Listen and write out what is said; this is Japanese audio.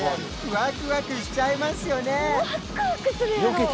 ワクワクしちゃいますよね？